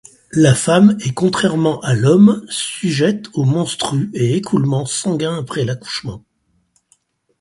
La femme est, contrairement à l'homme, sujette aux menstrues et écoulements sanguins après l'accouchement.